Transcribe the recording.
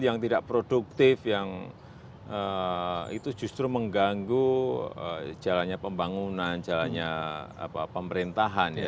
yang tidak produktif yang itu justru mengganggu jalannya pembangunan jalannya pemerintahan ya